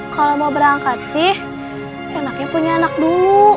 kalau mau berangkat sih enaknya punya anak dulu